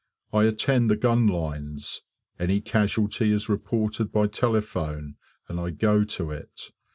I attend the gun lines; any casualty is reported by telephone, and I go to it.